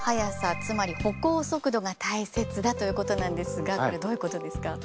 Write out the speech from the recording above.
つまり歩行速度が大切だということなんですがどういうことですか？